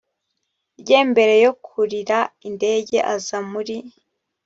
rye mbere yo kurira indenge aza muri